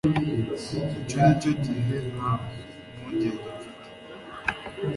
icyo ni cyo gihe nta mpungenge mfite